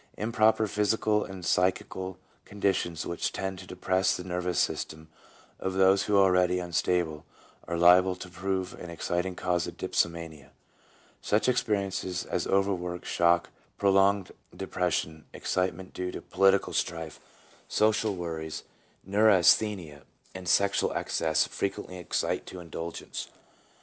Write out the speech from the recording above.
Improper physical and psychical conditions which tend to depress the nervous systems of those who are already unstable are liable to prove an exciting cause of dipsomania. Such experiences as overwork, shock, prolonged de pression, excitement due to political strife, social worries, neurasthenia, and sexual excess frequently excite to indulgence.